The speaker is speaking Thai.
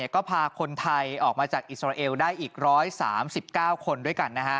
ก็พาคนไทยออกมาจากอิสราเอลได้อีก๑๓๙คนด้วยกัน